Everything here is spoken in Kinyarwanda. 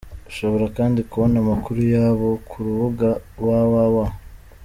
Ushobora kandi kubona amakuru yabo ku rubuga www.